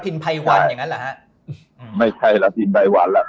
รพินภัยวันอย่างนั้นล่ะครับไม่ใช่รพินภัยวันล่ะ